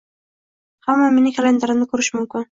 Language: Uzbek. hamma meni kalendarimni koʻrishi mumkin.